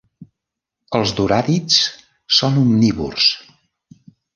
Els doràdids són omnívors.